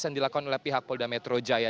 yang dilakukan oleh pihak polda metro jaya